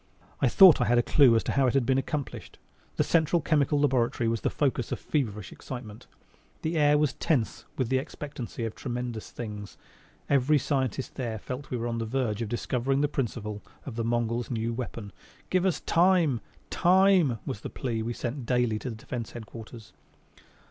I thought I had a clue as to how it had been accomplished. The Central Chemical Laboratory was the focus of feverish excitement. The air was tense with the expectancy of tremendous things. Every scientist there felt that we were on the verge of discovering the principle of the Mongols' new weapon. "Give us time!" "Time" was the plea we sent daily to the Defense Headquarters.